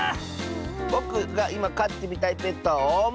ぼくがいまかってみたいペットはオウム！